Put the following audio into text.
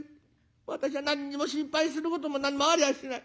私は何にも心配することも何もありゃあしない。